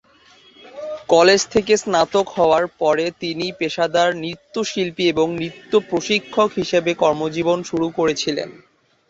College থেকে স্নাতক হওয়ার পরে তিনি পেশাদার নৃত্যশিল্পী এবং নৃত্য প্রশিক্ষক হিসাবে কর্মজীবন শুরু করেছিলেন।